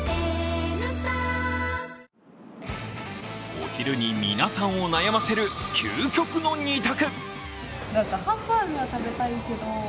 お昼に皆さんを悩ませる究極の２択。